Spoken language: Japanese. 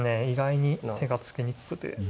意外に手が付けにくくて。